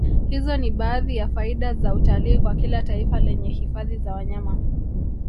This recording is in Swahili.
Hizo ni baadhi ya faida za utalii kwa kila taifa lenye hifadhi za wanyama